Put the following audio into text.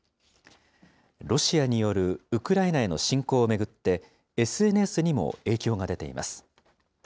ロシアによるウクライナへの侵攻を巡って、ＳＮＳにも影響が出ています。